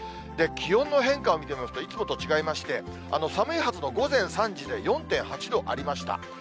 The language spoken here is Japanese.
気温の変化を見てみますと、いつもと違いまして、寒いはずの午前３時で４．８度ありました。